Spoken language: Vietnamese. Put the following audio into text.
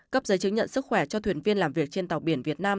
cấp giấy chứng nhận sức khỏe cho thuyền viên làm việc trên tàu biển việt nam